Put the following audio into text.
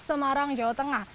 semarang jawa tengah